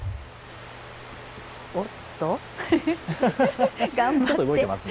おっと？頑張って。